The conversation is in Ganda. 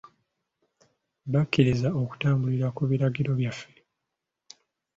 Bakkiriza okutambulira ku biragiro byaffe.